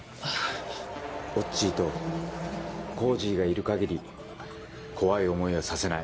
おっちーとコージーがいる限り怖い思いはさせない。